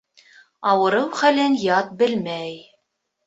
Ауырыу хәлен ят белмәй.